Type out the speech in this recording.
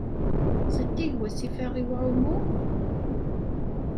Zeddig wasif-a i uɛumu?